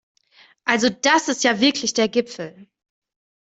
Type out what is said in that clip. Also das ist ja wirklich der Gipfel!